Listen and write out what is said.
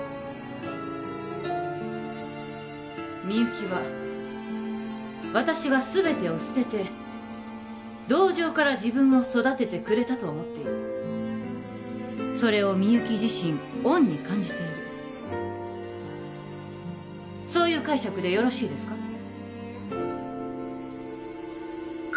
みゆきは私が全てを捨てて同情から自分を育ててくれたと思っているそれをみゆき自身恩に感じているそういう解釈でよろしいですか？